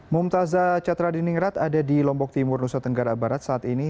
mumtazah catra diningrat ada di lombok timur nusa tenggara barat saat ini